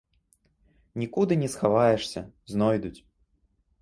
Нікуды не схаваешся, знойдуць.